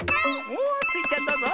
おおスイちゃんどうぞ！